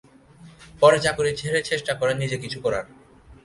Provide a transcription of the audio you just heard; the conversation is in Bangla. পরে চাকরি ছেড়ে চেষ্টা করেন নিজে কিছু করার।